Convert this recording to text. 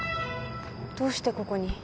どうしてここに？